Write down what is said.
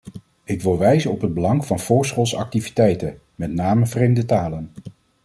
Ik wil wijzen op het belang van voorschoolse activiteiten, met name vreemde talen.